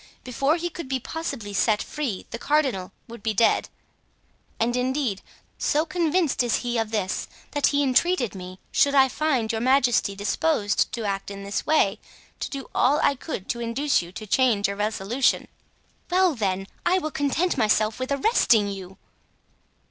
Before he could be possibly set free the cardinal would be dead; and indeed, so convinced is he of this, that he entreated me, should I find your majesty disposed to act in this way, to do all I could to induce you to change your resolution." "Well, then, I will content myself with arresting you!"